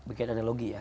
bikin analogi ya